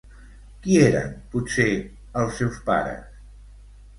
Qui eren, potser, els seus pares?